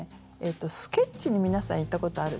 スケッチに皆さん行ったことあるでしょ？